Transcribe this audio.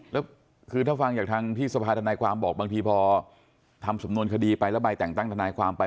แล้วคือถ้าฟังจากทางที่สภาธนายความบอกบางทีพอทำสำนวนคดีไปแล้วใบแต่งตั้งทนายความไป